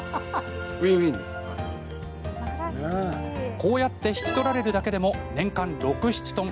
こうやって引き取られるだけでも年間６、７トン。